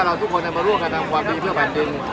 เราทุกคนจะมาร่วงกันทำกว่าดีเพื่อแบบดิน